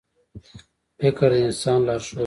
• فکر د انسان لارښود دی.